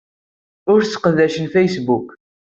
Ur sseqdacet Facebook.